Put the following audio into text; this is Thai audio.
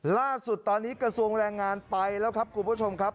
ล่าสุดตอนนี้กระทรวงแรงงานไปแล้วครับคุณผู้ชมครับ